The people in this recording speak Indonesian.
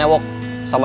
aku mau ke sana